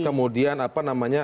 kemudian apa namanya